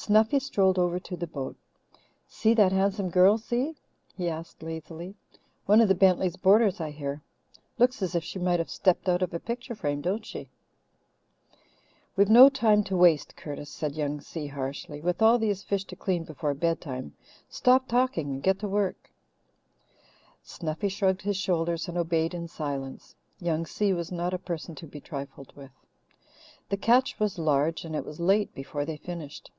Snuffy strolled over to the boat. "See that handsome girl, Si?" he asked lazily. "One of the Bentleys' boarders, I hear. Looks as if she might have stepped out of a picture frame, don't she?" "We've no time to waste, Curtis," said Young Si harshly, "with all these fish to clean before bedtime. Stop talking and get to work." Snuffy shrugged his shoulders and obeyed in silence. Young Si was not a person to be trifled with. The catch was large and it was late before they finished.